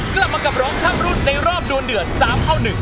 กลับมากับร้องข้ามรุ่นในรอบดวนเดือด๓เข้า๑